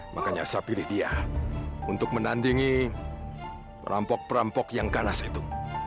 makanya saya pilih dia untuk menandingi perampok perampok yang ganas itu